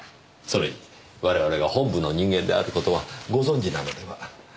それに我々が本部の人間である事はご存じなのでは。